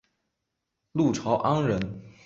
陆朝安人。